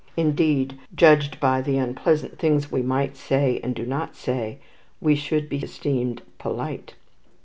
Indeed, judged by the unpleasant things we might say and do not say, we should be esteemed polite.